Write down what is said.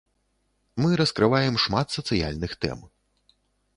Мы раскрываем шмат сацыяльных тэм.